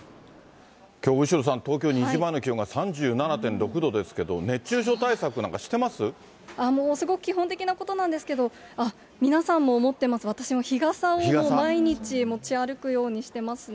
きょう、後呂さん、東京、２時前の気温が３７．６度ですけれども、熱中症対策なんかしてまもうすごく基本的なことなんですけど、皆さんも持ってます、私も日傘を毎日持ち歩くようにしてますね。